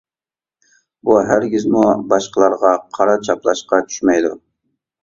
بۇ ھەرگىزمۇ باشقىلارغا قارا چاپلاشقا چۈشمەيدۇ.